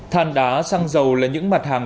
thàn đá xăng dầu là những mặt hàng